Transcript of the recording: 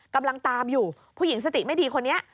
กำลังตามอยู่ผู้หญิงสติไม่ดีคนนี้